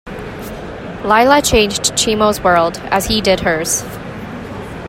Lila changed Chimo's world, as he did hers.